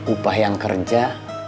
upah yang kerja